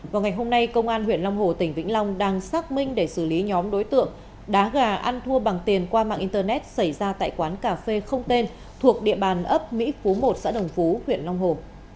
vào ngày hôm nay công an huyện long hồ tỉnh vĩnh long đang xác minh để xử lý nhóm đối tượng đá gà ăn thua bằng tiền qua mạng internet xảy ra tại quán cà phê không tên thuộc địa bàn ấp mỹ phú một xã đồng phú huyện long hồ